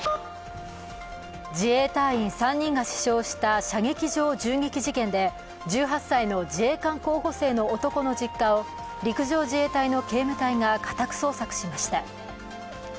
自衛隊員３人が死傷した射撃場銃撃事件で１８歳の自衛官候補生の男の実家を陸上自衛隊の警務隊が家宅捜索しました。